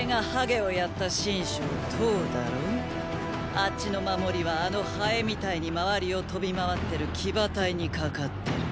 あっちの守りはあのハエみたいに周りを飛び回ってる騎馬隊にかかってる。